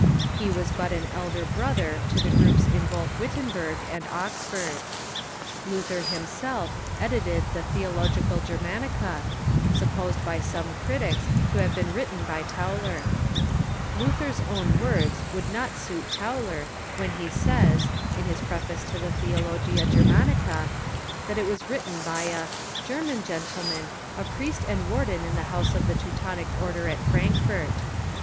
He was but an elder brother to the groups in both Wittenberg and Oxford. Luther himself edited the '"Theologia Germani ca," supposed by some critics to have been written by Tauler, Luther's own words would not suit Tauler, when he says, in his Preface to the "Theologia Germanica," that it was written by a "German gentleman, a priest and warden in the house of the Teutonic Order at Frankfort."